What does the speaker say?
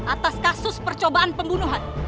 atas kasus percobaan pembunuhan